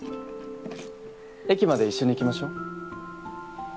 駅まで一緒に行きましょう。